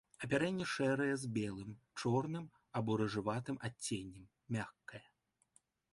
Апярэнне шэрае з белым, чорным або рыжаватым адценнем, мяккае.